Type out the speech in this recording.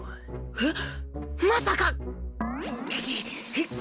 えっ